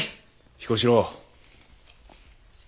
彦四郎。